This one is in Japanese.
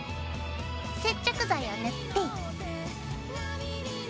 接着剤を塗って。